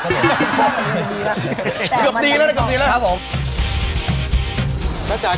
เกือบดีแล้ว